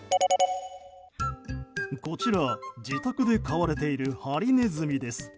こちら、自宅で飼われているハリネズミです。